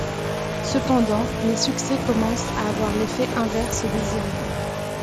Cependant, les succès commencent à avoir l'effet inverse désiré.